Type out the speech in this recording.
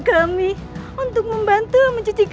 kamu yang pergi